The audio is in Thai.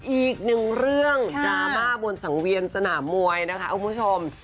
อีกหนึ่งเรื่องดราม่าบนสังเวียนสนามมวยนะคะคุณผู้ชม